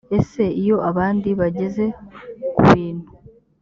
ese iyo abandi bageze ku bintu